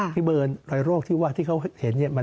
พี่เบิร์นรอยโรคที่ว่าที่เขาเห็นเนี่ย